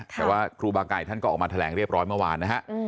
แต่ว่าครูบาไก่ท่านก็ออกมาแถลงเรียบร้อยเมื่อวานนะฮะ